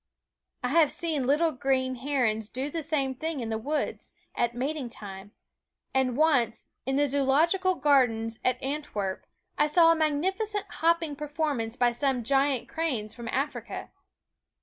I have seen little green herons do the same thing in the woods, at mating time ; and once, in the Zoological Gardens at Antwerp, I saw a magnificent hopping performance by some giant cranes from Africa.